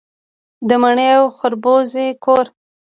د مڼې او خربوزې کور.